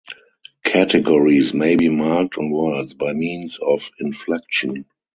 Categories may be marked on words by means of inflection.